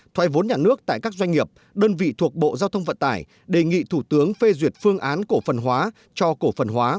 thoai vốn nhà nước tại các doanh nghiệp đơn vị thuộc bộ giao thông vận tải đề nghị thủ tướng phê duyệt phương án cổ phần hóa cho cổ phần hóa